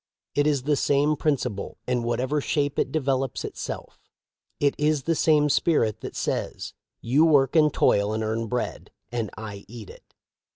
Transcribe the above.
It is the same principle, in whatever shape it developes itself. It is the same spirit that says : 'You work and toil and earn bread, and I eat it.'